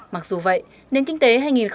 mặc dù vậy nền kinh tế